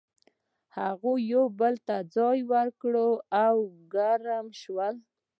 هغوی یو بل ته ځای ورکړ او ګرم شول.